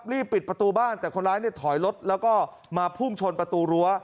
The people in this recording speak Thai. รีบปิดประตูบ้านแต่คนร้ายเนี่ยถอยรถแล้วก็มาพุ่งชนประตูรั้ว